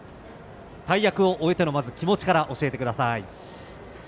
大役を終えての気持ちから教えてください。